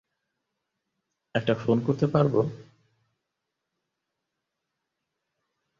একটা ফোন করতে পারব?